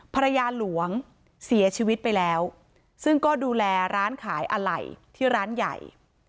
ภรรยาหลวงเสียชีวิตไปแล้วซึ่งก็ดูแลร้านขายอะไหล่ที่ร้านใหญ่